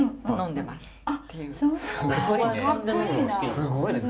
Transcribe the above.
すごいね。